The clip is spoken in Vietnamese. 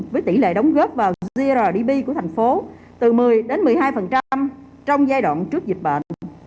với tỷ lệ đóng góp vào grdp của thành phố từ một mươi một mươi hai trong giai đoạn trước dịch bệnh